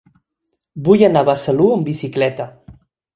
Vull anar a Besalú amb bicicleta.